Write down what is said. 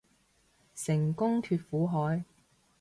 成功脫苦海